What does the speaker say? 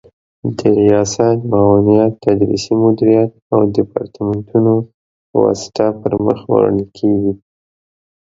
د ریاست، معاونیت، تدریسي مدیریت او دیپارتمنتونو په واسطه پر مخ وړل کیږي